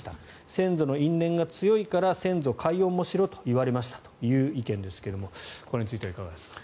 先祖の因縁が強いから先祖解怨もしろと言われましたという意見ですがこれについてはいかがですか。